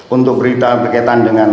untuk berita berkaitan dengan